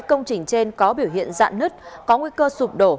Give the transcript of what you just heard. công trình trên có biểu hiện dạn hứt có nguy cơ sụp đổ